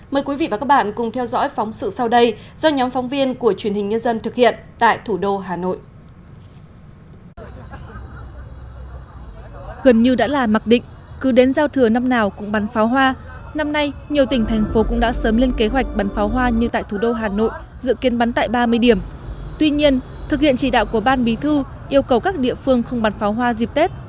mời quý vị và các bạn cùng theo dõi phóng sự sau đây do nhóm phóng viên của truyền hình nhân dân thực hiện tại thủ đô hà nội